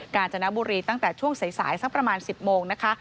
การจนบุรีตั้งแต่ช่วงสายสักประมาณ๑๐โมงนะคะ